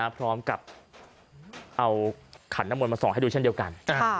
พร้อมกับเอาขันน้ำมนต์มาส่องให้ดูเช่นเดียวกัน